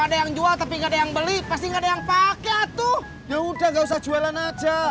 ada yang jual tapi nggak ada yang beli pasti nggak ada yang pakai tuh yaudah gak usah jualan aja